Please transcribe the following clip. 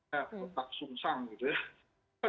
cukup sungsang gitu ya